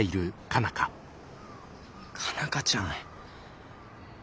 佳奈花ちゃん。